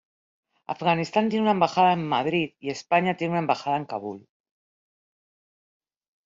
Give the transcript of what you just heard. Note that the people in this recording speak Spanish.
Afganistán tiene una embajada en Madrid y España tiene una embajada en Kabul.